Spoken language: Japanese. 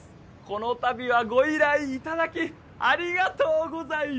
この度はご依頼頂きありがとうございます！